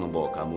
gitu apa sih jadi